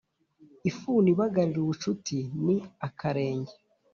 Ifuni ibagara ubucuti ni akarenge.